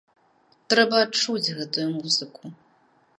Трэба адчуць гэтую музыку!